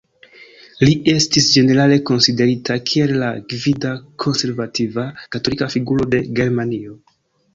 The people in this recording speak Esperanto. Li estis ĝenerale konsiderita kiel la gvida konservativa katolika figuro de Germanio.